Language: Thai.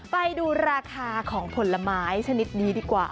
ไปดูราคาของผลไม้ชนิดนี้ดีกว่า